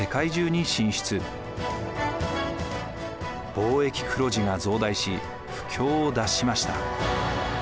貿易黒字が増大し不況を脱しました。